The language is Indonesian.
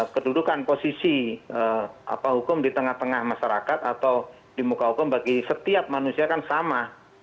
kedudukan posisi hukum di tengah tengah masyarakat atau di muka hukum bagi setiap manusia kan sama